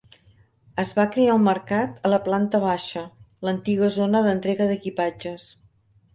Es va crear un mercat a la planta baixa, l'antiga zona d'entrega d'equipatges.